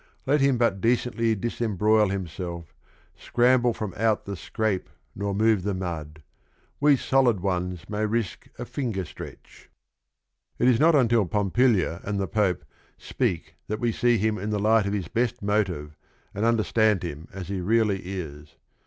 Let him but decently disembroil himself, Scramble from out the scrape nor move the mud, — We solid ones may risk a finger stretch I" LESSONS OF RING AND BOOK 225 It is not until Pompilia and the Pope speak that we see him in the light of his best motive and understand him as he really is.